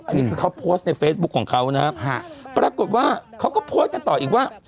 อันนี้คือเขาโพสต์ในเฟซบุ๊คของเขานะครับปรากฏว่าเขาก็โพสต์กันต่ออีกว่า